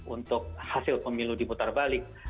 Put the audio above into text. untuk hasil pemilu dibutar balik